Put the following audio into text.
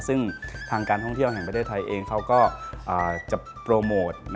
ซึ่งทางการท่องเที่ยวแห่งประเทศไทยเองเขาก็จะโปรโมท